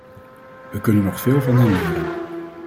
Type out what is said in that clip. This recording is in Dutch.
We kunnen nog veel van hen leren.